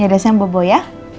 yaudah sayang bobo ya